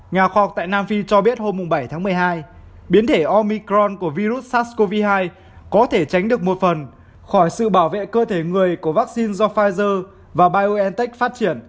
nhà khoa học tại nam phi cho biết hôm bảy tháng một mươi hai biến thể omicron của virus sars cov hai có thể tránh được một phần khỏi sự bảo vệ cơ thể người của vaccine do pfizer và biontech phát triển